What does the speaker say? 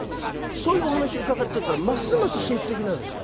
そういうお話を伺ってるからますます神秘的なんですよ。